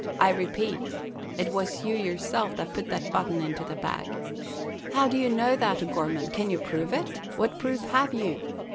I repate, it was you yourself that putt that button into the bag." "How do you know that, O'Gorman?" "Can you prove it?" "What proof have you?"